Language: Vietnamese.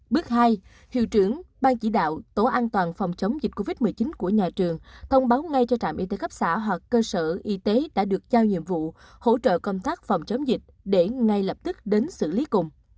bước hai hiệu trưởng ban chỉ đạo tổ an toàn phòng chống dịch covid một mươi chín của nhà trường thông báo ngay cho trạm y tế cấp xã hoặc cơ sở y tế đã được giao nhiệm vụ hỗ trợ công tác phòng chống dịch để ngay lập tức đến xử lý cùng